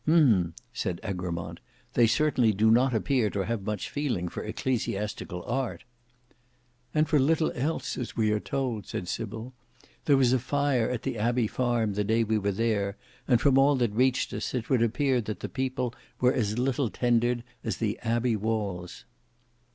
"Hem!" said Egremont. "They certainly do not appear to have much feeling for ecclesiastical art." "And for little else, as we were told," said Sybil. "There was a fire at the Abbey farm the day we were there, and from all that reached us, it would appear the people were as little tendered as the Abbey walls."